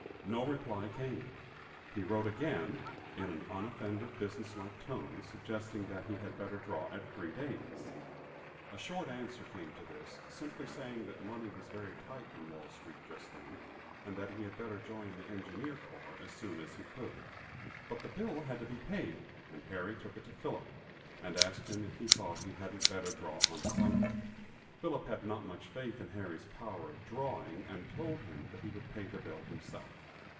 No reply came. He wrote again, in an unoffended business like tone, suggesting that he had better draw at three days. A short answer came to this, simply saying that money was very tight in Wall street just then, and that he had better join the engineer corps as soon as he could. But the bill had to be paid, and Harry took it to Philip, and asked him if he thought he hadn't better draw on his uncle. Philip had not much faith in Harry's power of "drawing," and told him that he would pay the bill himself.